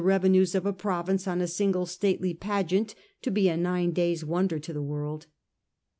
revenues of a province on a single stately pageant, to be a nine days^ wonder to the world.